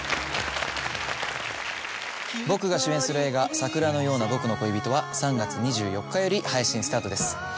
僕が主演する映画『桜のような僕の恋人』は３月２４日より配信スタートです。